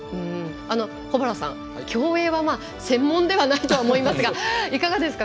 保原さん、競泳は専門ではないと思いますがいかがですか？